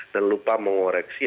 dan lupa mengoreksi